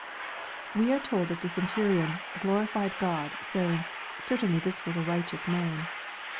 We are told that the centurion " glo rified God, saying, Certainly this was a righteous man."